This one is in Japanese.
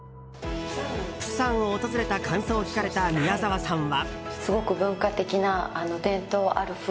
釜山を訪れた感想を聞かれた宮沢さんは。